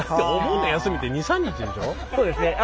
そうですね。